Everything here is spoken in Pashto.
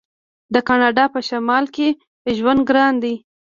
د کاناډا په شمال کې ژوند ګران دی.